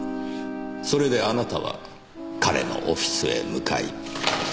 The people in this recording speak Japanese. それであなたは彼のオフィスへ向かい。